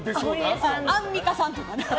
アンミカさんとかね。